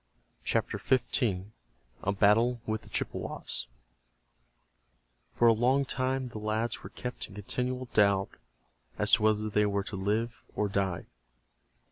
CHAPTER XV—A BATTLE WITH THE CHIPPEWAS For a long time the lads were kept in continual doubt as to whether they were to live or die.